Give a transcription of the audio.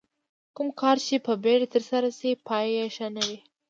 کوم کار چې په بیړه ترسره شي پای یې ښه نه وي.